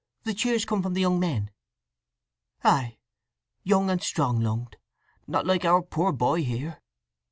The cheers come from the young men." "Aye; young and strong lunged! Not like our poor boy here."